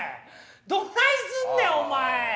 どないすんねんお前。